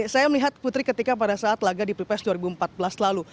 saya melihat putri ketika pada saat laga di pilpres dua ribu empat belas lalu